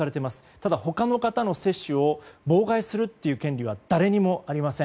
ただ他の方の接種を妨害するという権利は誰にもありません。